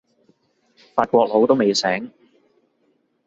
法國佬都未醒